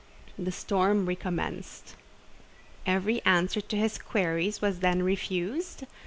The storm recommenced. "Every answer to his queries was then refused?